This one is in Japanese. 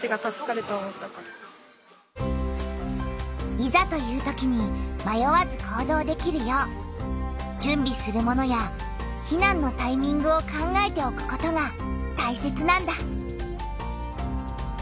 いざというときにまよわず行動できるよう準備するものや避難のタイミングを考えておくことがたいせつなんだ。